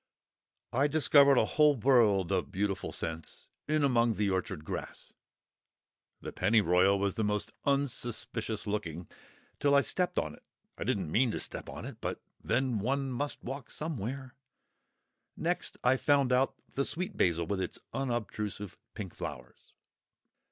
I discovered a whole world of beautiful scents in among the orchard grass. The Pennyroyal was most unsuspicious looking, till I stepped on it. (I didn't mean to step on it; but then one must walk somewhere!) Next I found out the Sweet Basil, with its unobtrusive pink flowers.